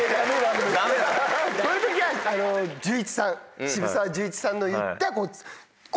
そういう時は寿一さん渋沢寿一さんの言った。